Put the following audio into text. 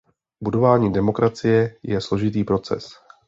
Budování demokracie je složitý proces.